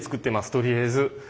とりあえず。